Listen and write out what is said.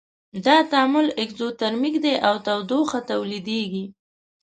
دا تعامل اکزوترمیک دی او تودوخه تولیدیږي.